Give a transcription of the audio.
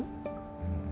うん。